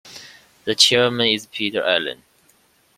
The Chairman is Peter Allen.